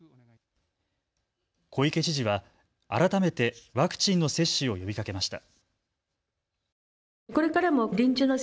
小池知事は改めてワクチンの接種を呼びかけました。